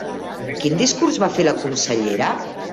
Quin discurs va fer la consellera?